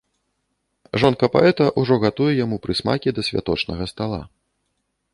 Жонка паэта ўжо гатуе яму прысмакі да святочнага стала.